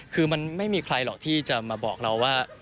คือมันไม่มีใครหรอกที่จะมาบอกเราว่า